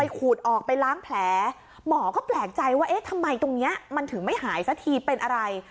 ขูดออกไปล้างแผลหมอก็แปลกใจว่าเอ๊ะทำไมตรงนี้มันถึงไม่หายสักทีเป็นอะไร